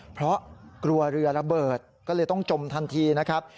เพราะกลัวเรือระเบิดก็เลยต้องจมทันทีนะครับ